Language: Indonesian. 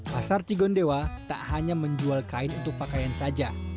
pasar cigondewa tak hanya menjual kain untuk pakaian saja